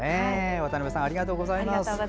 渡邊さんありがとうございます。